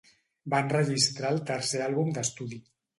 Va enregistrar el tercer àlbum d'estudi.